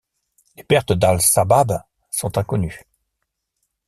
Les pertes d'Al-Shabbaab sont inconnues.